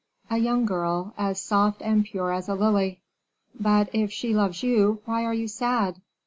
"A young girl, as soft and pure as a lily." "But if she loves you, why are you sad?"